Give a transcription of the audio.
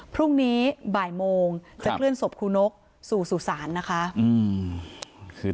พรุ่งนี้บ่ายโมงจะเคลื่อนศพครูนกสู่สู่ศาลนะคะ